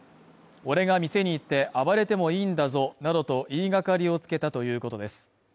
俺が店に行って暴れてもいいんだぞなどと言いがかりをつけたということです